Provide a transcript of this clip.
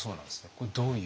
これどういう？